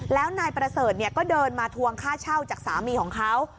แล้วนายประเสริฐก็เดินมาทวงค่าเช่าจากสามีของเขา